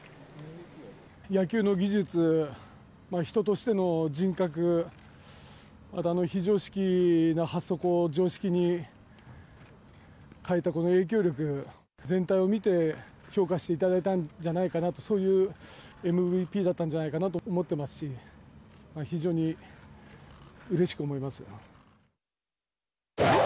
野球の技術、人としての人格、また非常識な発想を常識に変えたこの影響力、全体を見て評価していただいたんじゃないかと、そういうＭＶＰだったんじゃないかなと思ってますし、非常にうれしく思います。